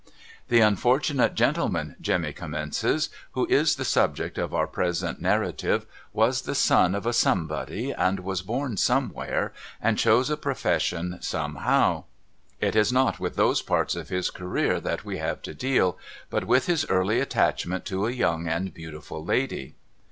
' The unfortunate gentleman ' Jemmy commences, ' who is the subject of our present narrative was the son of Somebody, and was born Somewhere, and chose a profession Somehow. It is not with those parts of his career that we have to deal ; but with his early attachment to a young and beautiful lady.'